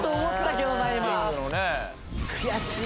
悔しい！